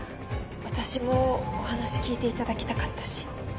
私もお話聞いていただきたかったし